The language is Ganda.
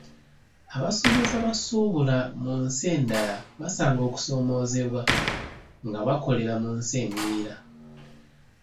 Abasuubuzi abasuubula mu nsi endala basanga okusomoozebwa nga bakolera mu nsi engwira.